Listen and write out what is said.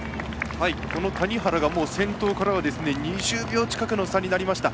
谷原が先頭から２０秒近くの差になりました。